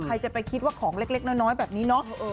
ใครจะไปคิดว่าของเล็กน้อยแบบนี้เนาะ